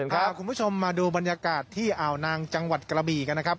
พาคุณผู้ชมมาดูบรรยากาศที่อ่าวนางจังหวัดกระบีกันนะครับ